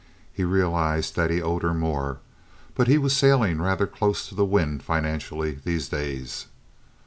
He realized that he owed her more, but he was sailing rather close to the wind financially, these days.